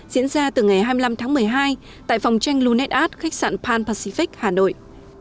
diễn ra từ ngày hai mươi năm tháng một mươi hai tại phòng tranh lunetat khách sạn pan pacific hà nội